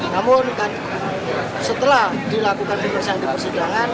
namun setelah dilakukan pemeriksaan di persidangan